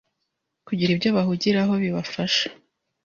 kugira ibyo bahugiraho bibafasha